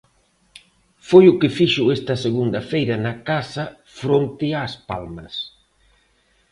Foi o que fixo esta segunda feira na casa fronte ás Palmas.